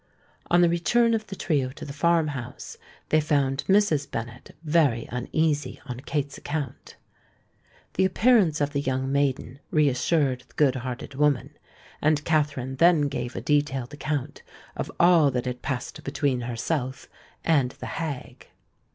On the return of the trio to the farm house, they found Mrs. Bennet very uneasy on Kate's account. The appearance of the young maiden reassured the good hearted woman; and Katherine then gave a detailed account of all that had passed between herself and the hag.